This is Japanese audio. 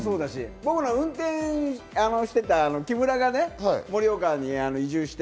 僕ら運転してて、木村がね、盛岡に移住して。